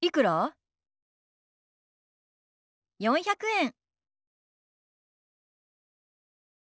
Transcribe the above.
４００円。